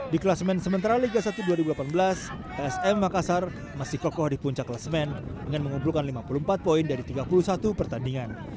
di kelas men sementara liga satu dua ribu delapan belas psm makassar masih kokoh di puncak kelasmen dengan mengumpulkan lima puluh empat poin dari tiga puluh satu pertandingan